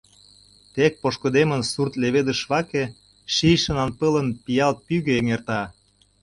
Тек пошкудемын сурт леведышваке Ший шонанпылын пиал пӱгӧ эҥерта.